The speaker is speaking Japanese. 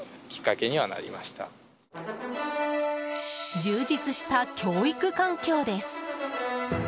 充実した教育環境です。